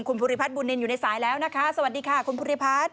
คุณภูริพัฒนบุญนินอยู่ในสายแล้วนะคะสวัสดีค่ะคุณภูริพัฒน์